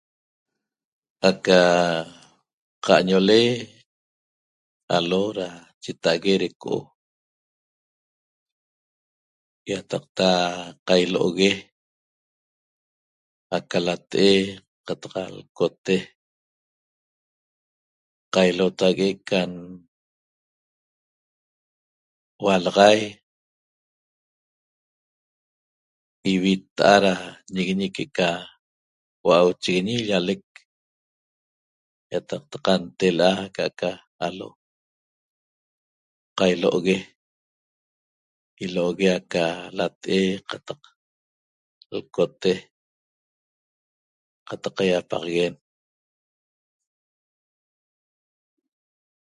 Aca qa'añole alo da cheta'ague deco'o ýataqta qailo'ogue aca late'e qataq lcote qailotague' can hualaxai ivitta'a da ñiguiñi que'eca hua'auchiguiñi llalec ýataqta qantela'a aca'ca alo qailo'ogue ilo'ogue aca late'e qataq lcote qataq qaýapaxaguen